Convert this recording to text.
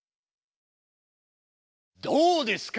どうですか！